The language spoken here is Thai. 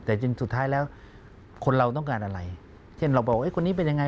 แต่จริงสุดท้ายแล้วคนเราต้องการอะไรเช่นเราบอกว่าคนนี้เป็นยังไง